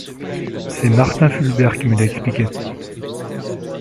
C’est Martin-Fulbert qui me l’a expliqué.